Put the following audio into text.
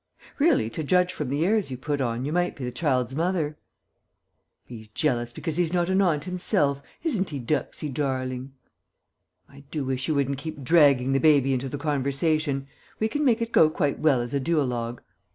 Really, to judge from the airs you put on, you might be the child's mother." "He's jealous because he's not an aunt himself. Isn't he, ducksey darling?" "I do wish you wouldn't keep dragging the baby into the conversation; we can make it go quite well as a duologue.